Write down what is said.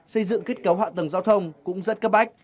xây dựng kết cấu hạ tầng giao thông cũng rất cấp bách